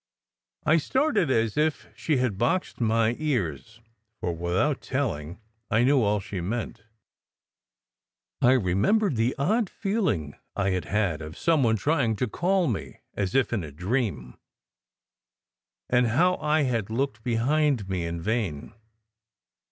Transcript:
I started as if she had boxed my ears, for without telling, I knew all she meant. I remembered the odd feeling I had had of some one trying to call me, as if in a dream; and how I had looked behind me in vain.